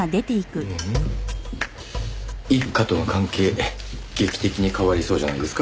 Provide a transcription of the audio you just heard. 一課との関係劇的に変わりそうじゃないですか？